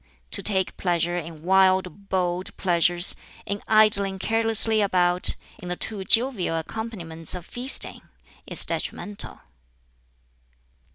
To take pleasure in wild bold pleasures, in idling carelessly about, in the too jovial accompaniments of feasting, is detrimental."